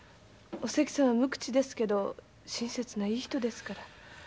おせきさんは無口ですけど親切ないい人ですから。